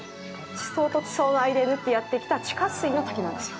地層と地層の間を縫ってやってきた地下水の滝なんですよ。